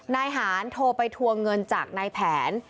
นายหานโทรไปทวงเงินจากนายแผน